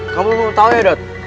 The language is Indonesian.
kamu belum tau ya dot